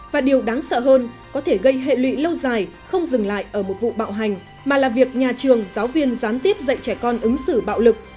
và điều đáng sợ hơn có thể gây hệ lụy lâu dài không dừng lại ở một vụ bạo hành mà là việc nhà trường giáo viên gián tiếp dạy trẻ con ứng xử bạo lực